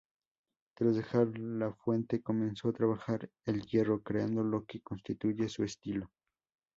Tras dejar Lafuente comenzó a trabajar el hierro, creando lo que constituye su estilo.